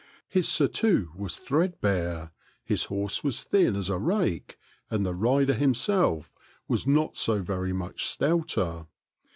His surtout was threadbare, his horse was thin as a rake, and the rider himself was not so very much stouter.